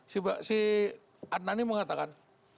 si al adnani mengatakan